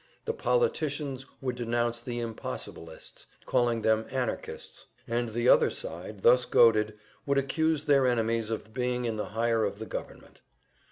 The "politicians" would denounce the "impossibilists," calling them "anarchists;" and the other side, thus goaded, would accuse their enemies of being in the hire of the government.